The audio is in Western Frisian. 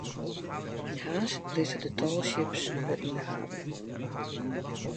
Yn Harns lizze de tallships wer yn de haven.